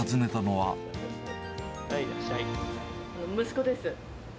息子です。